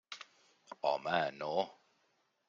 Home, no.